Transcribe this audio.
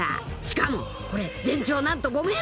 ［しかもこれ全長何と５ｍ！］